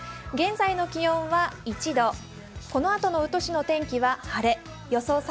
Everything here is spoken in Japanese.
現在の気温は１度このあとの宇土市の天気は晴れ予想